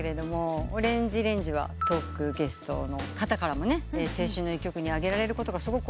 ＯＲＡＮＧＥＲＡＮＧＥはトークゲストの方からもね青春の一曲に挙げられることがすごく多くて。